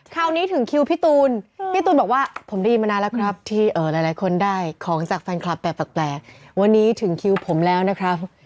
ถึงคิวพี่ตูนพี่ตูนบอกว่าผมได้ยินมานานแล้วครับที่หลายคนได้ของจากแฟนคลับแบบแปลกวันนี้ถึงคิวผมแล้วนะครับ